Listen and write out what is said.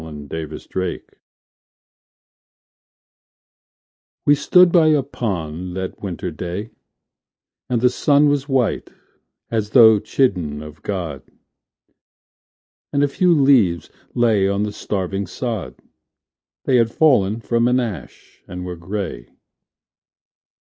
Neutral Tones We stood by a pond that winter day, And the sun was white, as though chidden of God, And a few leaves lay on the starving sod; They had fallen from an ash, and were gray.